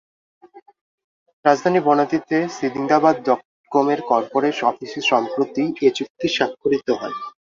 রাজধানীর বনানীতে সিন্দাবাদ ডটকমের করপোরেট অফিসে সম্প্রতি এ চুক্তি স্বাক্ষরিত হয়।